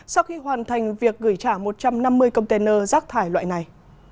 sau khi hoàn thành việc gửi trả một trăm năm mươi container rác thải loại này